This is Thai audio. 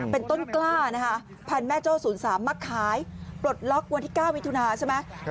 เป็นต้นกล้านะคะพันธุ์แม่โจ้๐๓มาขายปลดล็อกวันที่๙มิถุนาใช่ไหม